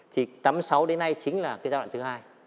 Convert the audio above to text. thì tám mươi sáu đến nay chính là cái giai đoạn thứ hai